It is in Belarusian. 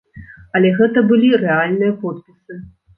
Але гэта былі рэальныя подпісы.